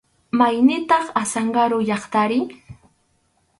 ¿Mayniqtaq Azángaro llaqtari?